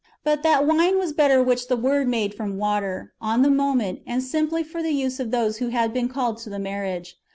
But that wine was better which the Word made from water, on the moment, and simply for the use of those who had been called to the marriage.